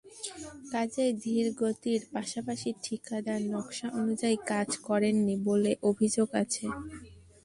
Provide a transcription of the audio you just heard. কাজের ধীরগতির পাশাপাশি ঠিকাদার নকশা অনুযায়ী কাজ করেননি বলে অভিযোগ আছে।